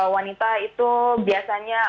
wanita itu biasanya